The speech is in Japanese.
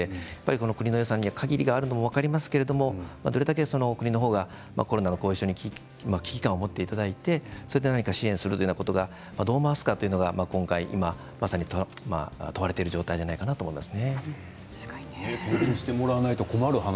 国の予算には限りがあるのは分かりますが、どれだけ国の方がコロナの後遺症に危機感を持っていただいて何か支援するということがどう回すかが、今回、今まさに問われている状態じゃないかと思います。